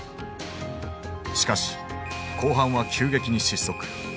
しかし後半は急激に失速。